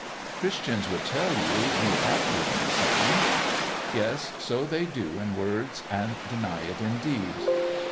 "Christians would tell you He had given a sign." "Yes; so they do in words and deny it in deeds.